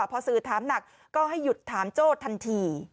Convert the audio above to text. พอสื่อถามหนักก็ให้หยุดถามโจ้ทันที